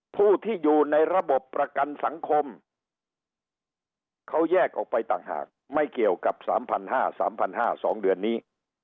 ผู้ที่อยู่ในระบบประกันสังคมเขาแยกออกไปต่างหากไม่เกี่ยวกับ๓๕๐๐๓๕๐๐๒เดือนนี้